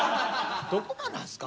どこがなんすか？